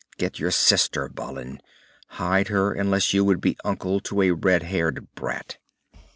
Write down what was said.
"Get your sister, Balin. Hide her, unless you would be uncle to a red haired brat."